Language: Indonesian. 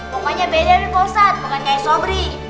pokoknya beda nih ustadz